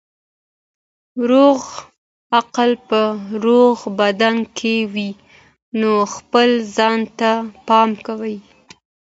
روغ عقل په روغ بدن کې وي نو خپل ځان ته پام کوئ.